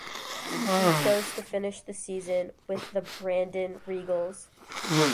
He chose to finish the season with the Brandon Regals.